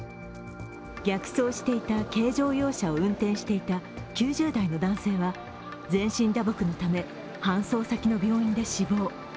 逆走していた軽乗用車を運転していた９０代の男性は全身打撲のため、搬送先の病院で死亡。